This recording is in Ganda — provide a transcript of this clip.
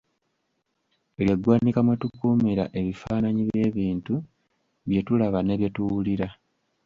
Lye ggwanika mwe tukuumira ebifananyi by'ebintu bye tulaba ne bye tuwulira.